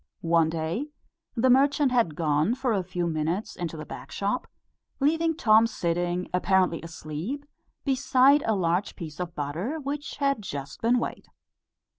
One day, the merchant had gone for a few minutes into the back shop, leaving Tom sitting, apparently asleep, beside a large piece of butter, which had just been weighed.